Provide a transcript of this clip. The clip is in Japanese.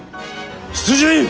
出陣！